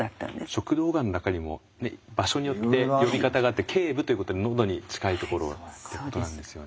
食道がんの中にも場所によって呼び方があって頸部ということでのどに近いところってことなんですよね。